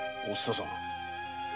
お蔦さん。